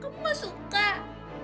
kenapa bunga itu kamu buang